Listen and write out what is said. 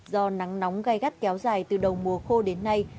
do nắng nóng gai gắt kéo dài từ đầu mùa khô đến nay